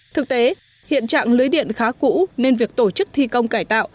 thực tế hiện trạng lưới điện khá cũ nên việc tổ chức thi công cải tạo